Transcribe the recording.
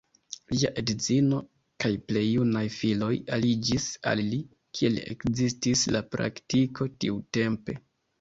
Lia edzino kaj plej junaj filoj aliĝis al li, kiel ekzistis la praktiko tiutempe.